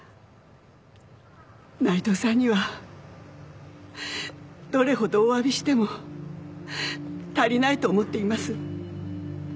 内藤さんにはどれほどおわびしても足りないと思っています。